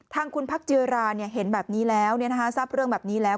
ทางคุณพักจิราเห็นแบบนี้แล้วทราบเรื่องแบบนี้แล้ว